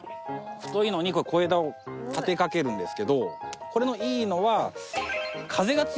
太いのに小枝を立てかけるんですけどこれのいいのは風が強い時ですね。